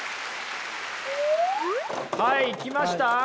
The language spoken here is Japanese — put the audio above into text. はい来ました？